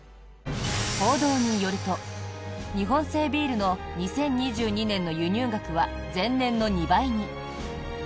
報道によると、日本製ビールの２０２２年の輸入額は前年の２倍に。